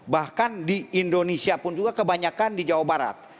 bahkan di indonesia pun juga kebanyakan di jawa barat